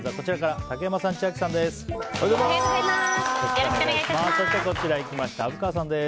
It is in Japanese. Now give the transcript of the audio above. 竹山さん、千秋さんです。